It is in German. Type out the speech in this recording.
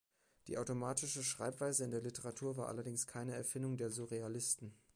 Die automatische Schreibweise in der Literatur war allerdings keine Erfindung der Surrealisten.